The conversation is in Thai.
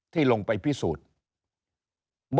ที่ลงไปพิสูจน์